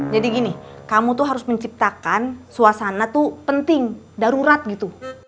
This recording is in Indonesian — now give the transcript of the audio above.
jadi gini kamu tuh harus menciptakan suasana tuh penting darurat gitu